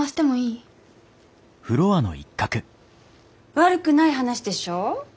悪くない話でしょ？